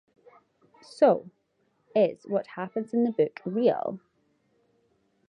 So: is what happens in the books real?